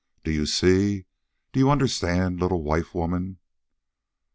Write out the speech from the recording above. Do you see? Do you understand, little wife woman?"